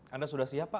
anda sudah siap pak